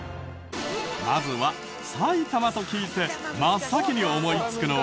まずは埼玉と聞いて真っ先に思いつくのは？